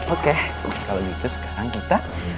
oke kalau gitu sekarang kita